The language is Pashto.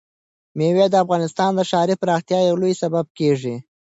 مېوې د افغانستان د ښاري پراختیا یو لوی سبب کېږي.